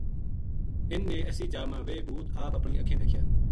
اِنھ نے اسی جا ما ویہ بھوت آپ اپنی اَکھیں دیکھیا